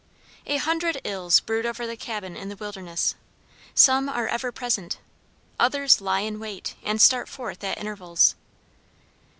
A hundred ills brood over the cabin in the wilderness. Some are ever present; others lie in wait, and start forth at intervals.